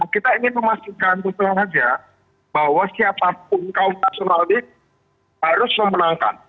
kita ingin memastikan betul saja bahwa siapapun kaum nasional ini harus memenangkan